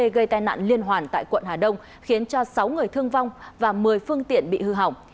gây tai nạn liên hoàn tại quận hà đông khiến cho sáu người thương vong và một mươi phương tiện bị hư hỏng